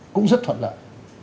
cũng rất thuận lợi